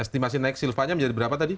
estimasi naik silvanya menjadi berapa tadi